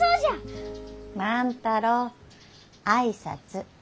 万太郎挨拶。